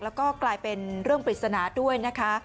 แล้วก็กลายเป็นเรื่องปริศนาด้วยนะคะ